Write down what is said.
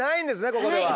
ここでは。